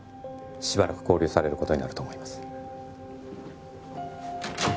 しばらく勾留されることになると思います